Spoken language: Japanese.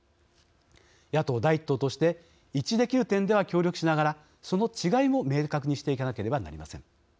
野党第１党として一致できる点では協力しながらその違いも明確にしていかなければなりません。